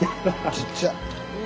ちっちゃ！